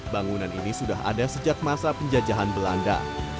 bangunan ini sudah ada sejak masa penjajahan belanda